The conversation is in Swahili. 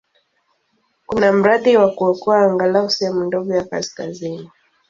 Kuna mradi wa kuokoa angalau sehemu ndogo ya kaskazini.